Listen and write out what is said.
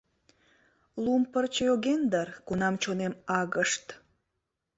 Лум пырче йоген дыр, кунам чонем агышт